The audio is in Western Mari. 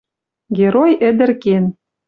Герой ӹдӹр кен